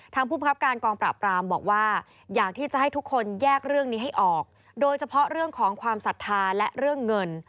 ภูมิครับการกองปราบรามบอกว่าอยากที่จะให้ทุกคนแยกเรื่องนี้ให้ออกโดยเฉพาะเรื่องของความศรัทธาและเรื่องเงิน